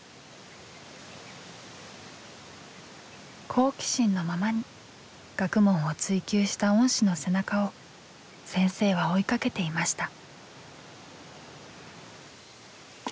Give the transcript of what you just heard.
好奇心のままに学問を追究した恩師の背中を先生は追いかけていました。